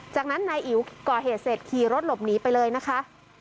จากนั้นนายอิ๋วก่อเหตุเสร็จขี่รถหลบหนีไปเลยนะคะ